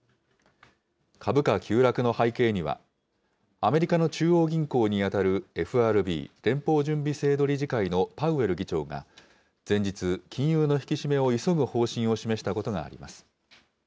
株価急落の背景には、アメリカの中央銀行に当たるＦＲＢ・連邦準備制度理事会のパウエル議長が、前日、金融の引き締めを急ぐ方針を示したことがあります。